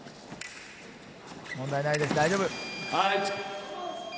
問題ないです、大丈夫。